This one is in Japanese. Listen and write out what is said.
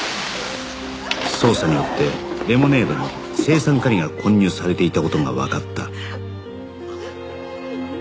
捜査によってレモネードに青酸カリが混入されていた事がわかった